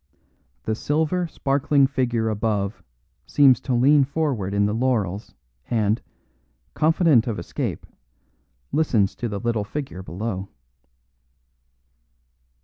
The silver, sparkling figure above seems to lean forward in the laurels and, confident of escape, listens to the little figure below.